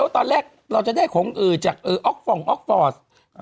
ตอนแรกเราจะได้ของอือจากอกฟองค์ออกฟอส